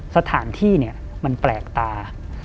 สถานที่เนี่ยมันแปลกตา